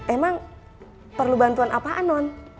emang perlu bantuan apaan non